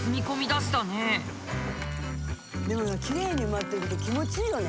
でもきれいに埋まってると気持ちいいよね。